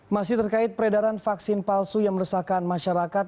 masih terkait peredaran vaksin palsu yang meresahkan masyarakat